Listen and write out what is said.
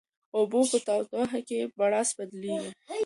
اوبه په تودوخه کې په بړاس بدلیږي.